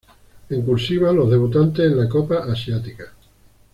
En "cursiva", los debutantes en la Copa Asiática.